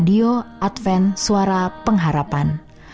radio advent suara pengharapan